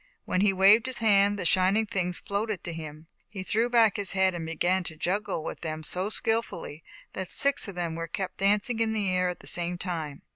When he waved his hand, the shining things floated to him. He threw back his head and began to juggle with them so skillfully, that six of them were kept dancing in the air at the same time.